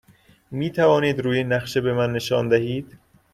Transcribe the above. می توانید روی نقشه به من نشان دهید؟